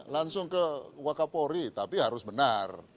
langsung ke wakapori tapi harus benar